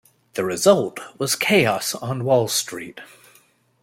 The result was chaos on Wall Street.